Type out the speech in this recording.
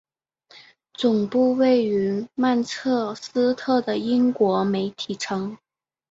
总部位于曼彻斯特的英国媒体城。